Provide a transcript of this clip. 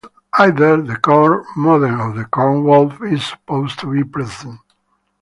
Either the Corn Mother or the Corn Wolf is supposed to be present.